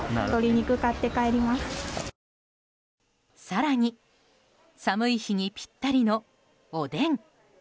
更に、寒い日にぴったりのおでん。